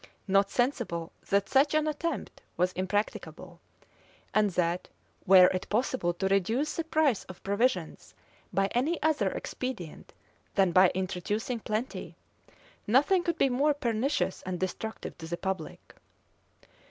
not sensible that such an attempt was impracticable, and that, were it possible to reduce the price of provisions by any other expedient than by introducing plenty, nothing could be more pernicious and destructive to the public.